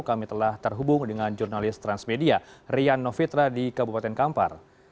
kami telah terhubung dengan jurnalis transmedia rian novitra di kabupaten kampar